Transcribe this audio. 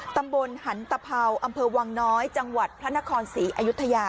ตำบลหันตะเภาอำเภอวังน้อยจังหวัดพระนครศรีอยุธยา